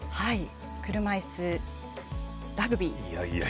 車いすラグビー。